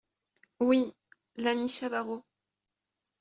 Oui… l’ami Chavarot !